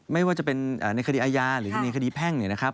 ไม่ว่าจะเป็นในคดีอาญาหรือในคดีแพ่งเนี่ยนะครับ